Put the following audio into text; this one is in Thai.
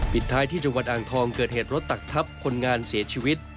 ท้ายที่จังหวัดอ่างทองเกิดเหตุรถตักทับคนงานเสียชีวิต